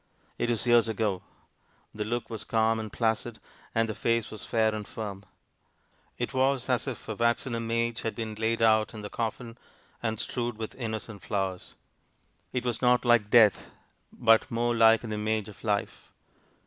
It is years ago. The look was calm and placid, and the face was fair and firm. It was as if a waxen image had been laid out in the coffin, and strewed with innocent flowers. It was not like death, but more like an image of life!